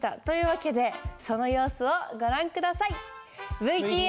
という訳でその様子をご覧下さい。